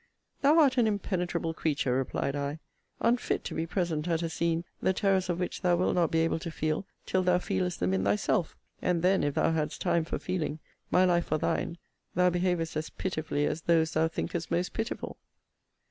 Thou art an impenetrable creature, replied I; unfit to be present at a scene, the terrors of which thou wilt not be able to feel till thou feelest them in thyself; and then, if thou hadst time for feeling, my life for thine, thou behavest as pitifully as those thou thinkest most pitiful.